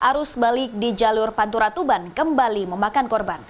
arus balik di jalur pantura tuban kembali memakan korban